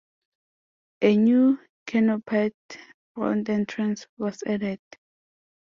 A new canopied front entrance was added.